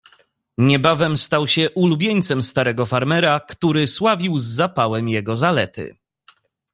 "Niebawem stał się ulubieńcem starego farmera, który sławił z zapałem jego zalety."